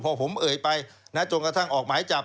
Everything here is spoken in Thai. พอผมเอ่ยไปนะจนกระทั่งออกหมายจับ